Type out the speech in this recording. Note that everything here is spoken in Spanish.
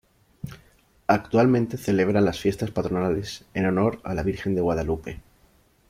Actualmente celebran las fiestas patronales en honor a la virgen de Guadalupe.